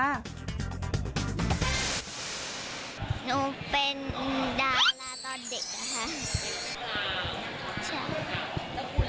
หนูเป็นดาราตอนเด็กนะคะ